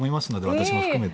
私も含めて。